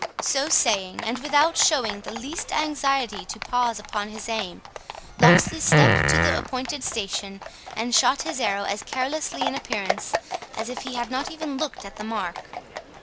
So saying, and without showing the least anxiety to pause upon his aim, Locksley stept to the appointed station, and shot his arrow as carelessly in appearance as if he had not even looked at the mark.